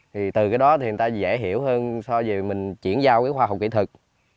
thì từ cái đó thì người ta dễ hiểu hơn so với mình chuyển giao cái khoa học kỹ thuật